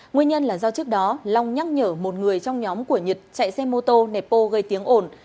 nguyên nhân là do trước đó long nhắc nhở một người trong nhóm của nhật chạy xe mô tô nẹp bô gây tiếng ồn